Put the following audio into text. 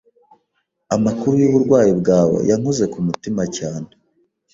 Amakuru yuburwayi bwawe yankoze ku mutima cyane